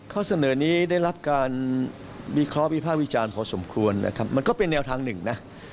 ข้อเสนอนี้ได้รับการวิเคราะห์วิภาควิจารณ์พอสมควรนะครับมันก็เป็นแนวทางหนึ่งนะ